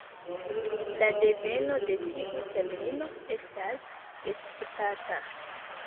La deveno de tiu termino estas disputata.